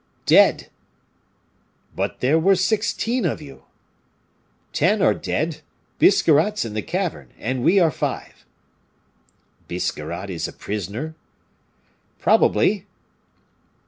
"Dead!" "But there were sixteen of you!" "Ten are dead. Biscarrat is in the cavern, and we are five." "Biscarrat is a prisoner?" "Probably."